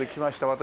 私